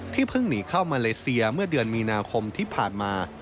เพิ่งหนีเข้ามาเลเซียเมื่อเดือนมีนาคมที่ผ่านมา